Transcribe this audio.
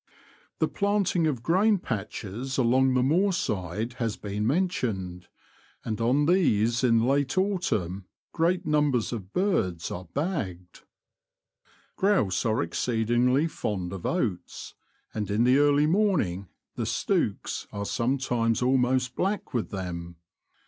The planting of grain patches along the moor side has been mentioned, and on these in late autumn great numbers of birds are bagged. The Confessions of a Poacher. 119 Grouse are exceedingly fond of oats, and in the early morning the stooks are sometimes almost black with them.